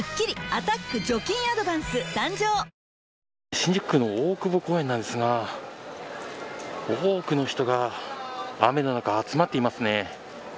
新宿区の大久保公園なんですが多くの人が雨の中、集まっていますね。